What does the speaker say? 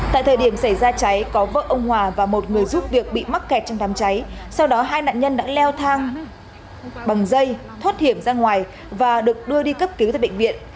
tại thời điểm xảy ra cháy có vợ ông hòa và một người giúp việc bị mắc kẹt trong đám cháy sau đó hai nạn nhân đã leo thang bằng dây thoát hiểm ra ngoài và được đưa đi cấp cứu tại bệnh viện